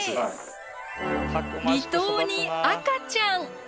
離島に赤ちゃん。